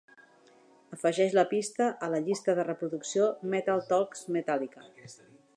Afegeix la pista a la llista de reproducció Metal Talks Metallica.